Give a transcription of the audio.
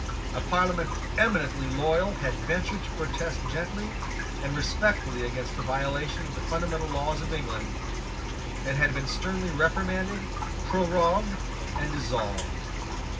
A Parliament eminently loyal had ventured to protest gently and respectfully against a violation of the fundamental laws of England, and had been sternly reprimanded, prorogued, and dissolved.